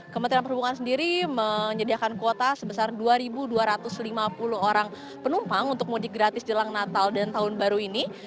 kementerian perhubungan sendiri menyediakan kuota sebesar dua dua ratus lima puluh orang penumpang untuk mudik gratis jelang natal dan tahun baru ini